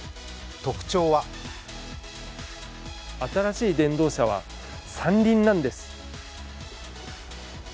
特徴は新しい電動車は、３輪なんです。